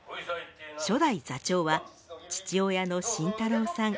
初代座長は父親の新太郎さん。